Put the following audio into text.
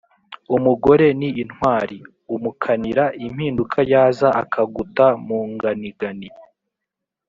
Umugore ni intwari, umukanira ----- impinduka yaza akaguta mu nganigani.